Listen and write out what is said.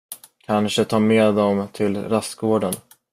Kanske ta med dem till rastgården.